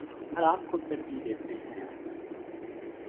آرام کو ترجیح دیتے ہیں